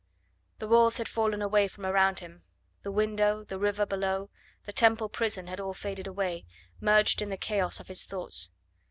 The walls had fallen away from around him the window, the river below, the Temple prison had all faded away, merged in the chaos of his thoughts.